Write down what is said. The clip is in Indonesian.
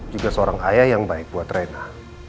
juga seorang ayah yang baik buat rena